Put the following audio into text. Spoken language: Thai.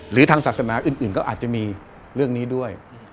หรือทางศาสนาอื่นก็อาจจะมีเรื่องนี้ด้วย